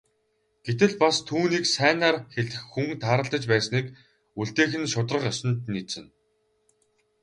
Гэтэл бас түүнийг сайнаар хэлэх хүн тааралдаж байсныг үлдээх нь шударга ёсонд нийцнэ.